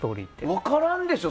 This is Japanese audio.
分からんでしょ。